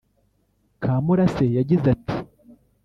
Kamurase yagize ati